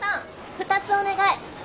２つお願い。